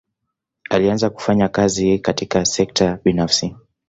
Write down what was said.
Alianza kufanya kazi katika sekta binafsi.